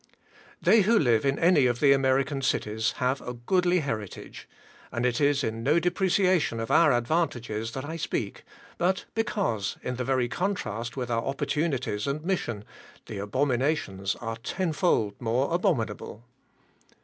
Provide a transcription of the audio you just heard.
They who live in any of the American cities have a goodly heritage; and it is in no depreciation of our advantages that I speak, but because, in the very contrast with our opportunities and mission, THE ABOMINATIONS are tenfold more abominable.